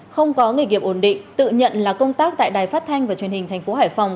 không có nghề nghiệp ổn định tự nhận là công tác tại đài phát thanh và truyền hình thành phố hải phòng